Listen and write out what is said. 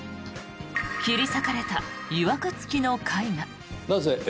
切り裂かれたいわく付きの絵画。